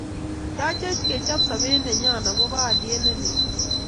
yachech kechop sobet nenyo akoba haliyet ne lel